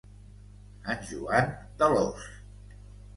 En Joan de l'ós.